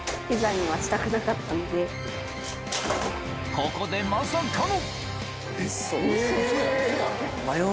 ここでまさかの！